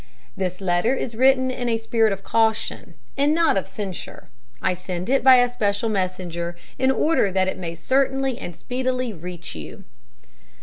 "This letter is written in a spirit of caution, and not of censure. I send it by a special messenger, in order that it may certainly and speedily reach you."